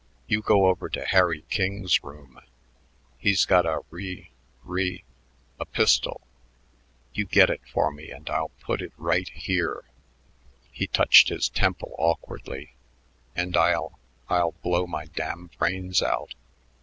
"You go over to Harry King's room. He's got a re re a pistol. You get it for me and I'll put it right here " he touched his temple awkwardly "and I'll I'll blow my damn brains out.